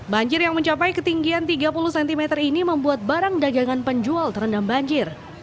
banjir yang mencapai ketinggian tiga puluh cm ini membuat barang dagangan penjual terendam banjir